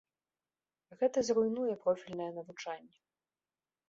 Гэта зруйнуе профільнае навучанне.